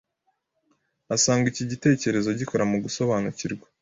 asanga iki gitekerezo gikora mu gusobanukirwa